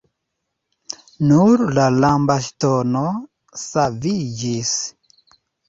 Nur la lambastono saviĝis.